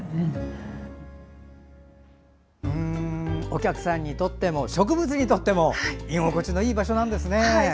お客さんにとっても植物にとっても居心地のいい場所なんですね。